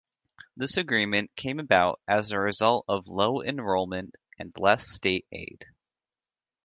This agreement came about as a result of low enrollment and less state aid.